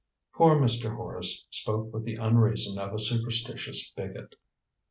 Poor Mr. Horace spoke with the unreason of a superstitious bigot.